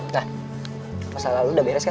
nah masalah lo udah beres kan